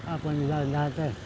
apa yang ada